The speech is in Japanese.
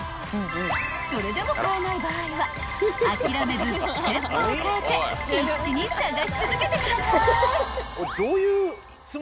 ［それでも買えない場合は諦めず店舗をかえて必死に探し続けてください］